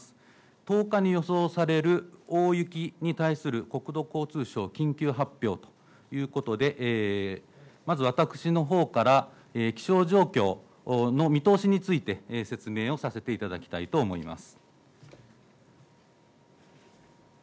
１０日に予想される大雪に対する国土交通省緊急発表ということでまず私のほうから気象状況の見通しについて説明をさせていただきたいと思います。